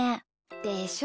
でしょ？